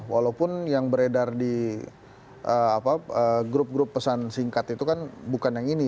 walaupun yang beredar di grup grup pesan singkat itu kan bukan yang ini